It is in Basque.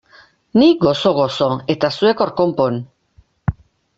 Ni gozo-gozo eta zuek hor konpon!